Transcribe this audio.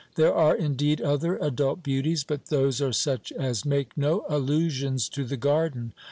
There are, indeed, other adult beauties, but those are such as make no allusions to the garden.